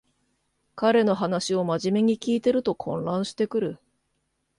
彼の話をまじめに聞いてると混乱してくる